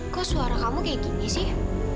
kok suara kamu kayak gini sih